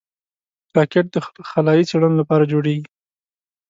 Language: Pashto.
راکټ د خلایي څېړنو لپاره جوړېږي